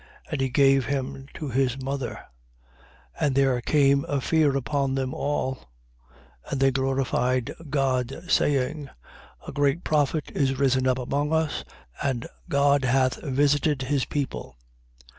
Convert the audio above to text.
And he gave him to his mother. 7:16. And there came a fear upon them all: and they glorified God saying: A great prophet is risen up among us: and, God hath visited his people.